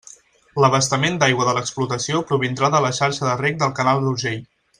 L'abastament d'aigua de l'explotació provindrà de la xarxa de reg del canal d'Urgell.